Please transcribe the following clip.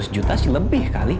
seratus juta sih lebih kali